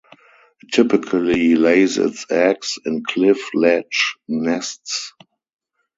It typically lays its eggs in cliff-ledge nests.